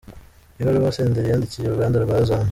Ibaruwa Senderi yandikiye uruganda rwa Azam.